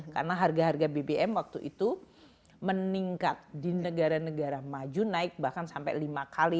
karena harga harga bbm waktu itu meningkat di negara negara maju naik bahkan sampai lima kali